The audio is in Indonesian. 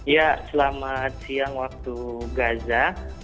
ya selamat siang waktu gaza